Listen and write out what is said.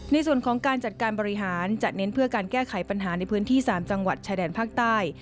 ในส่วนของการจัดการบริหารจะเน้นเพื่อการแก้ไขปัญหาในพื้นที่๓จังหวัดชายแดนภาคใต้